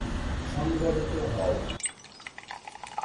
সংগঠিত হও!!